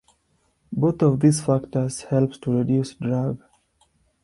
Both of these factors help to reduce drag.